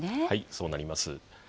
そうなります。